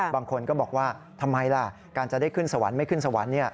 บางคนก็บอกว่าทำไมล่ะการจะได้ขึ้นสวรรค์ไม่ขึ้นสวรรค์